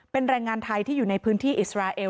เป็นแรงงานไทยที่อยู่ในพื้นที่อิสราเอล